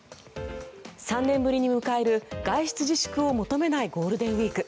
３年ぶりに迎える外出自粛を求めないゴールデンウィーク。